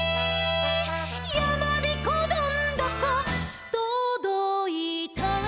「やまびこどんどことどいた」